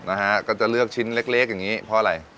นะฮะก็จะเลือกชิ้นเล็กอย่างนี้เพราะอะไร